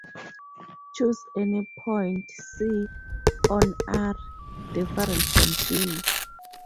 Choose any point "C" on "r" different from "B".